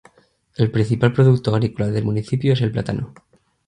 El principal producto agrícola del municipio es el plátano.